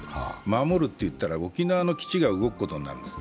守るって言ったら沖縄の基地が動くことになるんです。